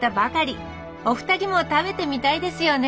お二人も食べてみたいですよね？